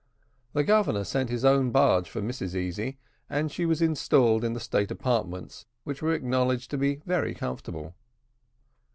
The Governor sent his own barge for Mrs Easy, and she was installed in the state apartments, which were acknowledged to be very comfortable.